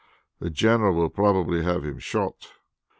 The general will probably have him shot.